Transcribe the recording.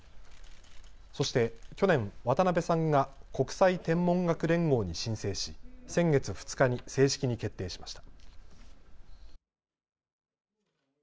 そして、去年、渡辺さんが国際天文学連合に申請し先月２日に正式に決定しました。